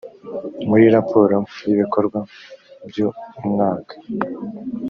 muri raporo y ibikorwa byu umwaka